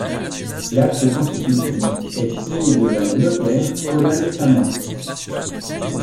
L'acte constitutif est signé devant le notaire Colin de Saint-Menge.